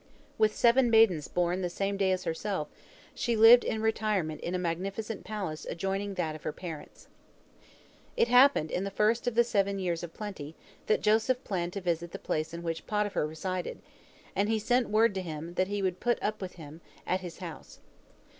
With seven maidens born the same day as herself, she lived in retirement in a magnificent palace adjoining that of her parents. It happened in the first of the seven years of plenty that Joseph planned to visit the place in which Potiphar resided, and he sent word to him that he would put up with him, at his house.